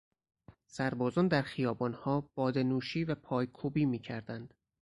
سربازان در خیابانها بادهنوشی و پایکوبی میکردند.